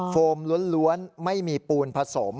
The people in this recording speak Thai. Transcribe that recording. โฟมล้วนไม่มีปูนผสม